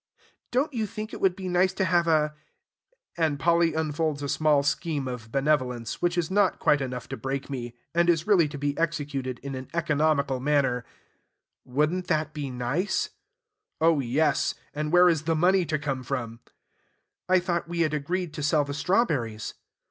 "Don't you think it would be nice to have a?".... And Polly unfolds a small scheme of benevolence, which is not quite enough to break me, and is really to be executed in an economical manner. "Would n't that be nice?" "Oh, yes! And where is the money to come from?" "I thought we had agreed to sell the strawberries."